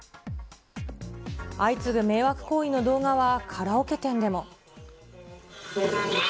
相次ぐ迷惑行為の動画はカラオケ店でも。